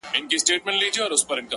• نور یې هیري کړې نارې د ګوروانانو ,